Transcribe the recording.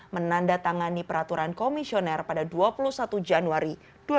menandatangani peraturan komisioner pada dua puluh satu januari dua ribu dua puluh